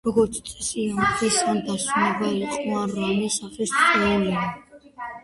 როგორც წესი, ამ დღეს ან დასვენება იყო, ან რამე სახის წვეულება.